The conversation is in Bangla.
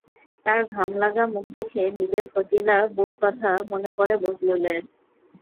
তাঁর ঘামলাগা মুখ দেখে নিজের ফজিলা বুর কথা মনে পড়ে বজলুলের।